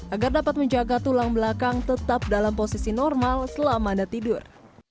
agar dapat menjaga tulang belakang tetap dalam posisi normal selama anda tidur